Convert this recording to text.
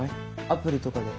アプリとかで。